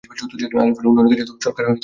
আরিফুলের উন্নয়নকাজে সরকার সহায়তা করেছে।